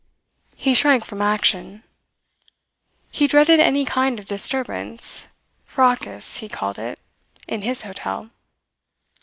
He shrank from action. He dreaded any kind of disturbance "fracas" he called it in his hotel.